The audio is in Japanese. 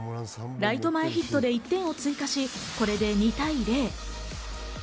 ライト前ヒットで１点を追加し、これで２対０。